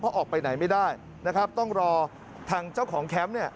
เพราะออกไปไหนไม่ได้นะครับต้องรอทางเจ้าของแคมป์เนี่ย